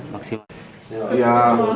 maximum apa kan